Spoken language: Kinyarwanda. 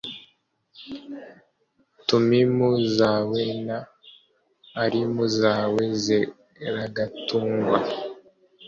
tumimu zawe na urimu zawe ziragatungwa